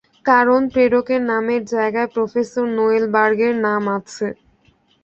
কারণ, প্রেরকের নামের জায়গায় প্রফেসর নোয়েল বার্গের নাম আছে।